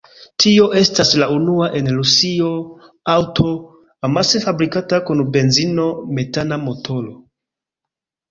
Tio estas la unua en Rusio aŭto, amase fabrikata kun benzino-metana motoro.